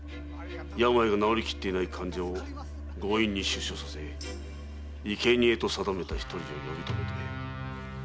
病の治りきっていない患者を強引に出所させ生け贄と定めたひとりを呼び止めて。